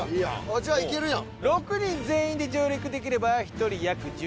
じゃあいけるやん。